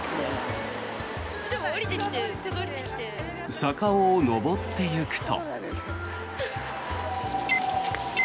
坂を上っていくと。